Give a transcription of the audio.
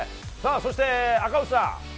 そして赤星さん